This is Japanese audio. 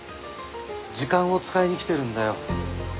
時間を使いにきてるんだよ。